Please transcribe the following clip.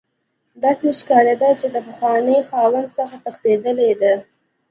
داسې ښکاریده چې د پخواني خاوند څخه تښتیدلی دی